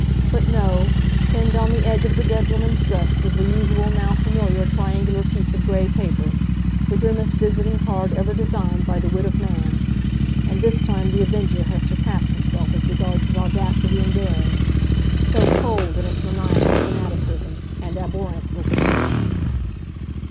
But no—pinned on the edge of the dead woman's dress was the usual now familiar triangular piece of grey paper—the grimmest visiting card ever designed by the wit of man! And this time The Avenger has surpassed himself as regards his audacity and daring—so cold in its maniacal fanaticism and abhorrent wickedness."